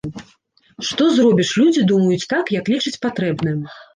Што зробіш, людзі думаюць так, як лічаць патрэбным!